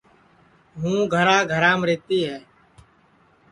ہوں گھرا گھرام رہتی ہے